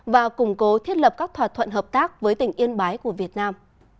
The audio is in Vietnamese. và củng cố thiết lập các thỏa thuận hợp tác với tỉnh yên bái của việt nam